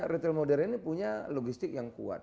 retail modern ini punya logistik yang kuat